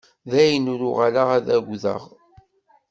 Dayen, ur uɣaleɣ ad k-agdeɣ.